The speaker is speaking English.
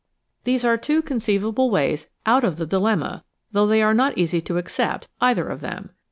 These are two conceivable ways out of the dilemma though they are not easy to accept, either of them.